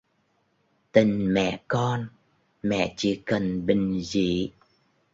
Tình mẹ con mẹ chỉ cần bình dị